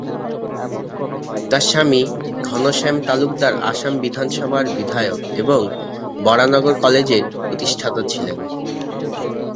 তার স্বামী ঘনশ্যাম তালুকদার আসাম বিধানসভার বিধায়ক এবং বরানগর কলেজের প্রতিষ্ঠাতা ছিলেন।